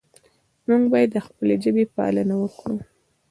موږ باید د خپلې ژبې پالنه وکړو.